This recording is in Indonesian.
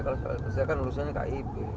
kalau selesai kan urusannya kib